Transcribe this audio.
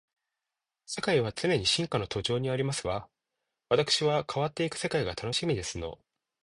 世界は常に進化の途上にありますわ。わたくしは変わっていく世界が楽しみですの